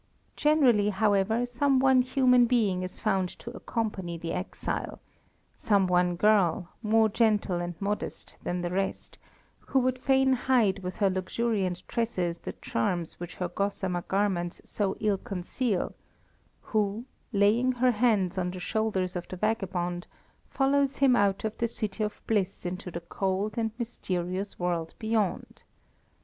Generally, however, some one human being is found to accompany the exile; some one girl, more gentle and modest than the rest, who would fain hide with her luxuriant tresses the charms which her gossamer garments so ill conceal, who, laying her hands on the shoulders of the vagabond, follows him out of the city of bliss into the cold and mysterious world beyond.